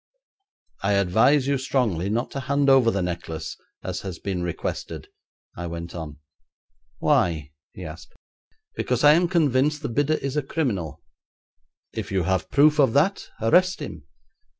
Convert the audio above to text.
'I advise you strongly not to hand over the necklace as has been requested,' I went on. 'Why?' he asked. 'Because I am convinced the bidder is a criminal.' 'If you have proof of that, arrest him.'